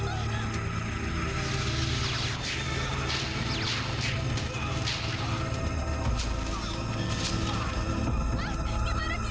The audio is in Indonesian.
gak mau bu